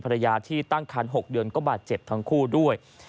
ภรรยาที่ตั้งคัน๖เดือนก็บาดเจ็บทั้งคู่ด้วย